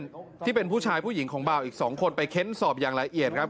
คนที่เป็นผู้ชายผู้หญิงของเบาอีก๒คนไปเค้นสอบอย่างละเอียดครับ